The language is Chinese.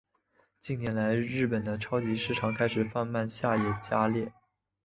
近年来日本的超级市场开始贩卖下野家例。